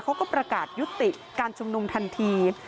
เขาก็ประกาศยุติการชุมนุมทันที